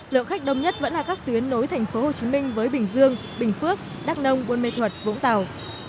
lượng khách đông nhất vẫn là các tuyến nối thành phố hồ chí minh với bình dương bình phước đắk nông quân mê thuật vũng tàu